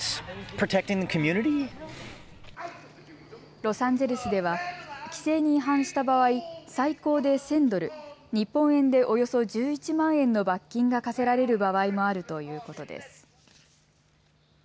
ロサンゼルスでは規制に違反した場合、最高で１０００ドル、日本円でおよそ１１万円の罰金が科せられる場合もあるということです。